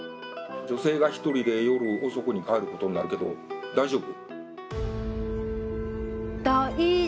女性が一人で夜遅くに帰ることになるけど大丈夫？